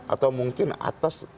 atau mungkin atas